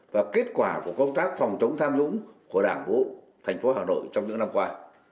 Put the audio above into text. và kết quả của công tác phòng chống tham nhũng của đảng bộ thành phố hà nội trong những năm qua